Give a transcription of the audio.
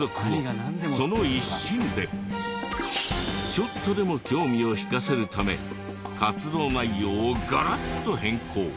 ちょっとでも興味を引かせるため活動内容をガラッと変更。